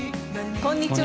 こんにちは。